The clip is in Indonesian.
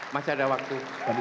masih ada waktu